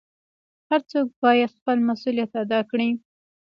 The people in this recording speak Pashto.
هر څوک بايد خپل مسؤليت ادا کړي .